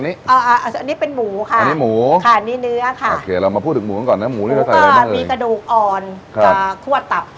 อนี่เป็นหมูค่ะมีกระดูกอ่อนกับควาตับค่ะ